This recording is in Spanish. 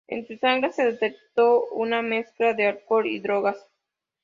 En su sangre se detectó una mezcla de alcohol y drogas.